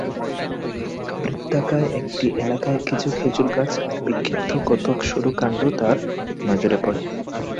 বৃত্তকায় একটি এলাকায় কিছু খেজুর গাছ আর বিক্ষিপ্ত কতক সরু কাণ্ড তাঁর নজরে পড়ে।